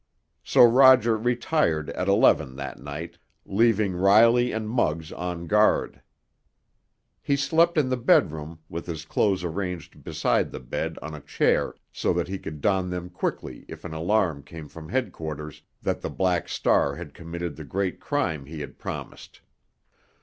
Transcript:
So Roger retired at eleven that night, leaving Riley and Muggs on guard. He slept in the bedroom, with his clothes arranged beside the bed on a chair so that he could don them quickly if an alarm came from headquarters that the Black Star had committed the great crime he had promised.